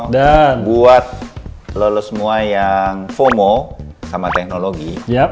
dan buat lolo semua yang fomo sama teknologi